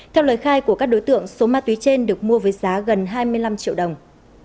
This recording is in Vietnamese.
theo lời khai của các đối tượng số ma túy trên được mua với giá gần hai mươi năm triệu đồng